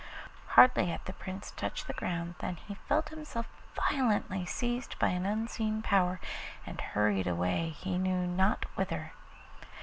Hardly had the Prince touched the ground than he felt himself violently seized by an unseen power, and hurried away he knew not whither.